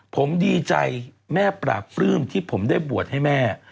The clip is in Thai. ผมดีใจแม่ปราบปลื้มที่ผมได้บวชให้แม่